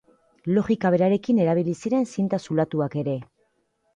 Logika berarekin erabili ziren zinta zulatuak ere.